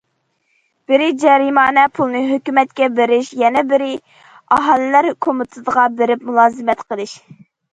بىرى جەرىمانە پۇلنى ھۆكۈمەتكە بېرىش، يەنە بىرى ئاھالىلەر كومىتېتىغا بېرىپ مۇلازىمەت قىلىش.